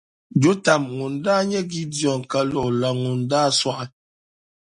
Jɔtam ŋun daa nyɛ Gidiɔn kaluɣ’ la ŋun’ daa sɔɣi.